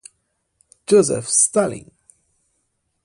Josef Stalin